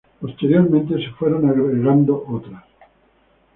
Posteriormente se fueron agregando otras.